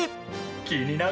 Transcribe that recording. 気になる！